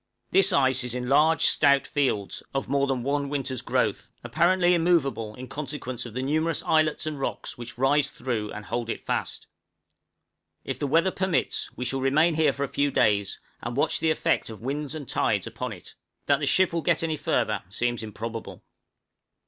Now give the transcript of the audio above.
This ice is in large stout fields, of more than one winter's growth, apparently immovable in consequence of the numerous islets and rocks which rise through and hold it fast. If the weather permits, we shall remain here for a few days and watch the effect of winds and tides upon it; that the ship will get any further seems improbable.